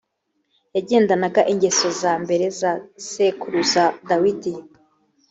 yagendanaga ingeso za mbere za sekuruza dawidi